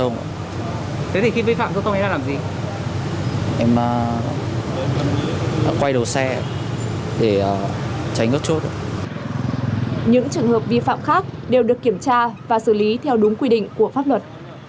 những trường hợp vi phạm khác đều được kiểm tra và xử lý theo đúng quy định của pháp luật